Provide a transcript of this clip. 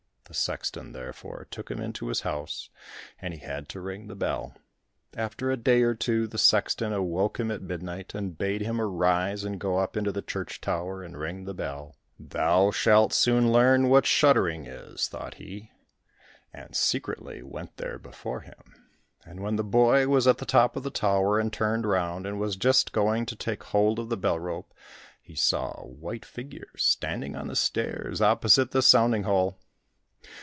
The sexton therefore took him into his house, and he had to ring the bell. After a day or two, the sexton awoke him at midnight, and bade him arise and go up into the church tower and ring the bell. "Thou shalt soon learn what shuddering is," thought he, and secretly went there before him; and when the boy was at the top of the tower and turned round, and was just going to take hold of the bell rope, he saw a white figure standing on the stairs opposite the sounding hole.